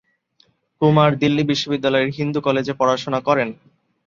কুমার দিল্লি বিশ্ববিদ্যালয়ের হিন্দু কলেজে পড়াশোনা করেন।